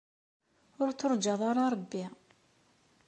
Ur turǧaḍ ara Ṛebbi!